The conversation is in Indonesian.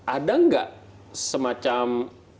ada gak semacam